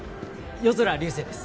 夜空流星です。